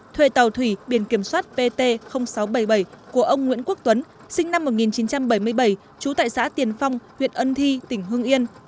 thuê tàu thủy biển kiểm soát pt sáu trăm bảy mươi bảy của ông nguyễn quốc tuấn sinh năm một nghìn chín trăm bảy mươi bảy trú tại xã tiền phong huyện ân thi tỉnh hương yên